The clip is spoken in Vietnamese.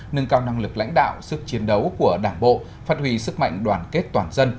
nâng cao năng lực lãnh đạo sức chiến đấu của đảng bộ phát huy sức mạnh đoàn kết toàn dân